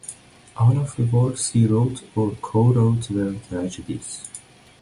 All of the works he wrote or co-wrote were tragedies.